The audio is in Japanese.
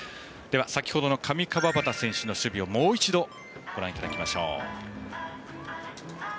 先ほどの上川畑選手の守備をもう一度ご覧いただきましょう。